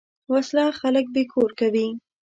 وسله خلک بېکور کوي